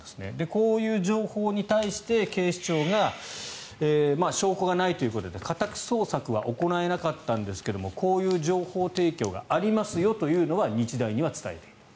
こういう情報に対して、警視庁が証拠がないということで家宅捜索は行えなかったんですがこういう情報提供がありますよというのは日大には伝えている。